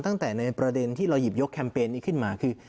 ตั้งแต่ในประเด็นที่เราหยิบยกแคมเปญนี้ขึ้นมาคือ